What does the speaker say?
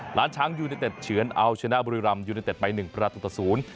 หลานช้างยูเนเต็ดเฉือนเอาชนะบุรีรำยูเนเต็ดไปหนึ่งประตูต่อศูนย์